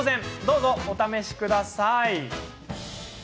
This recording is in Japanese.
どうぞお試しください。